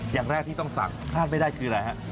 อย่างแรกที่ต้องสั่งพลาดไม่ได้คืออะไรฮะ